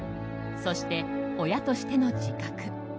そして、親としての自覚。